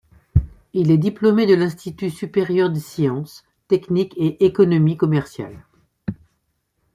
Il est diplômé de l'Institut supérieur des sciences, techniques et économie commerciales.